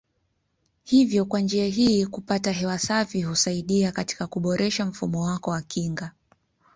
Hivyo kwa njia hii kupata hewa safi husaidia katika kuboresha mfumo wako wa kinga.